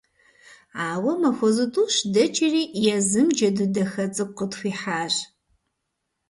Ауэ махуэ зытӀущ дэкӀри, езым джэду дахэ цӀыкӀу къытхуихьащ…